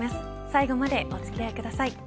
最後までお付き合いください。